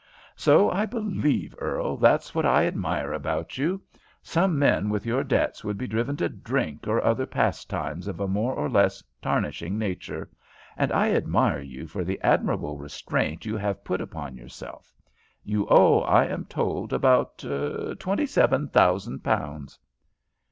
"So I believe, Earl. That's what I admire about you. Some men with your debts would be driven to drink or other pastimes of a more or less tarnishing nature, and I admire you for the admirable restraint you have put upon yourself. You owe, I am told, about twenty seven thousand pounds."